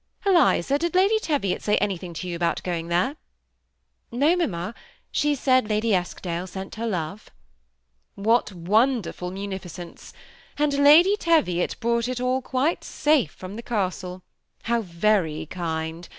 Klisa, did Lady Teyiot say anything to you aboat going there ?" "Noy mamma; she said Lady Eskdale sent her love." • What wonderful munificence I and Lady Teviot brought it quite safe all the way from the castle. How very kind